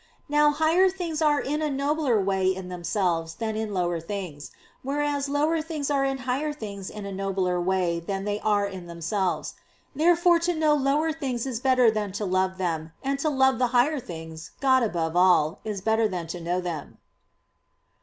Now higher things are in a nobler way in themselves than in lower things; whereas lower things are in higher things in a nobler way than they are in themselves. Therefore to know lower things is better than to love them; and to love the higher things, God above all, is better than to know them.